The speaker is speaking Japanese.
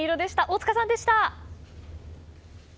大塚さんでした。